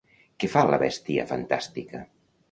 Què fa la bèstia fantàstica?